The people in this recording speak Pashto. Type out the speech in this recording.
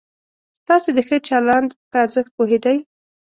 تاسې د ښه چلند په ارزښت پوهېدئ؟